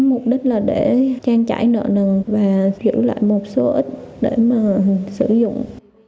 mục đích là để trang trải nợ nần và chuyển lại một số ít để mà sử dụng